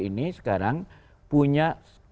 ini sekarang punya